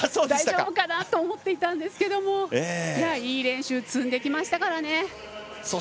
大丈夫かな？と思っていたんですけどもいい練習を積んできましたからね。